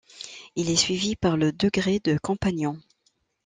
Il est suivi par le degré de compagnon.